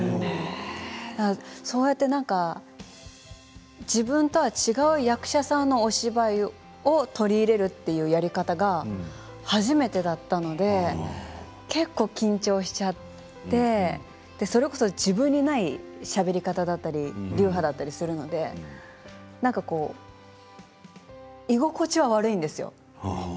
そうやって何か自分とは違う役者さんのお芝居を取り入れるというやり方が初めてだったので結構、緊張しちゃってそれこそ自分にないしゃべり方だったり流派だったりするのでなんかこう居心地は悪いんですよ